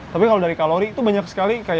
tapi kalau dari kalori itu banyak sekali kayak minum